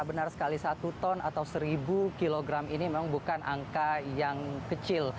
benar sekali satu ton atau seribu kilogram ini memang bukan angka yang kecil